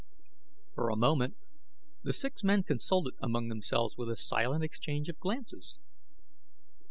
For a moment the six men consulted among themselves with a silent exchange of glances.